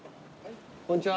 こんにちは。